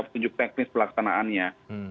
petunjuk teknis pelaksanaannya